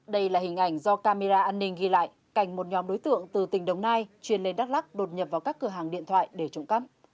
đây là hình ảnh do camera an ninh ghi lại cảnh một nhóm đối tượng từ tỉnh đồng nai chuyên lên đắk lắc đột nhập vào các cửa hàng điện thoại để trộm cắp